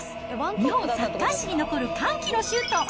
日本サッカー史に残る歓喜のシュート！